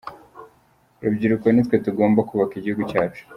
Urubyiruko ni twe tugomba kubaka igihugu cyacu.